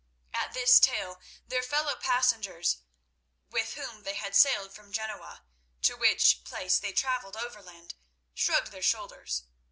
At this tale their fellow passengers, with whom they had sailed from Genoa, to which place they travelled overland, shrugged their shoulders.